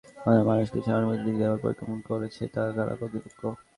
কারাগারে থাকতে কেমন লাগে, সাধারণ মানুষকে সেই অনুভূতিটি দেওয়ার পরিকল্পনা করছে কারা কর্তৃপক্ষ।